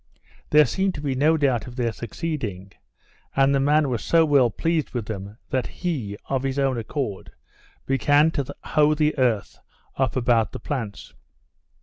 There seemed to be no doubt of their succeeding; and the man was so well pleased with them, that he, of his own accord, began to hoe the earth up about the plants.